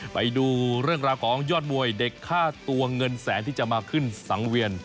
ไปดูเรื่องราวของยอดมวยเด็กค่าตัวเงินแสนที่จะมาขึ้นสังเวียน